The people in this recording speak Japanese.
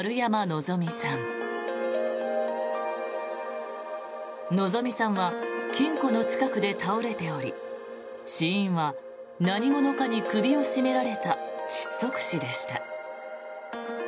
希美さんは金庫の近くで倒れており死因は何者かに首を絞められた窒息死でした。